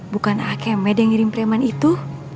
bukan a'a keme yang ngirim preman itu